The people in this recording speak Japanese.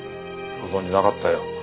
ご存じなかったよ。